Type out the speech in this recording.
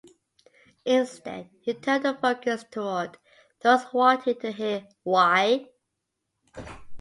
Instead, he turned the focus toward those wanting to hear "why".